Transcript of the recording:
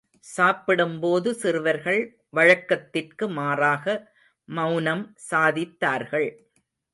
சாப்பிடும்போது சிறுவர்கள் வழக்கத்திற்கு மாறாக மௌனம் சாதித்தார்கள்.